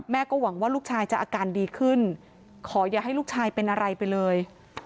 หวังว่าลูกชายจะอาการดีขึ้นขออย่าให้ลูกชายเป็นอะไรไปเลย